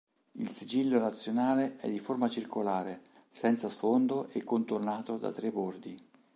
Il Sigillo Nazionale è di forma circolare, senza sfondo e contornato da tre bordi.